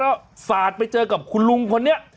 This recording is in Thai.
แล้วสาดไปเจอกับคุณลุงคนนี้